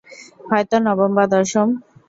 হয়তো নবম বা দশম।